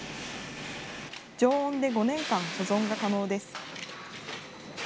常温で５年間保存が可能です。